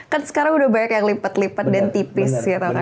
kan sekarang udah banyak yang lipat lipat dan tipis gitu kan